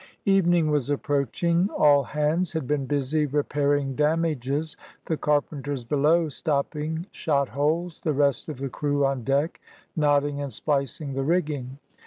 Evening was approaching, all hands had been busy repairing damages, the carpenters below stopping shot holes, the rest of the crew on deck knotting and splicing the rigging.